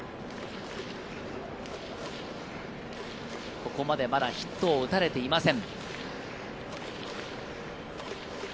ここまでまだヒットを打たれていません。